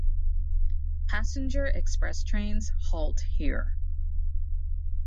Passenger express trains halt here.